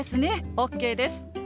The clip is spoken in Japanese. ＯＫです。